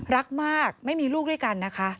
รักมากไม่มีลูกด้วยกันนะคะ